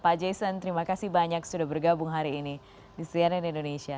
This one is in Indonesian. pak jason terima kasih banyak sudah bergabung hari ini di cnn indonesia